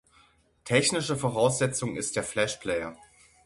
Technische Voraussetzung ist der Flash Player.